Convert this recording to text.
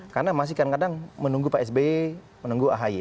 karena masih kadang kadang menunggu pak sby menunggu ahy